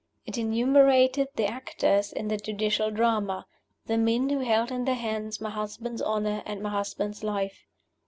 It enumerated the actors in the Judicial Drama the men who held in their hands my husband's honor and my husband's life.